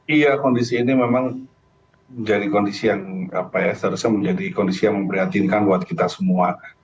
iya kondisi ini memang menjadi kondisi yang apa ya seharusnya menjadi kondisi yang memberi hati kan buat kita semua